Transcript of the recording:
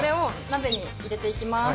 鍋入れていきます。